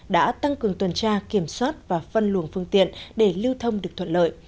đã tăng cường tuần tra kiểm soát và phân luồng phương tiện để lưu thông được thuận lợi